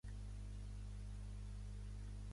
Està dirigida per Jorge Briz Abularach.